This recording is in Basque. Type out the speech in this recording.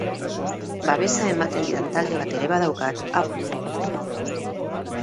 Babesa ematen didan talde bat ere badaukat hau idazten dudan bitartean.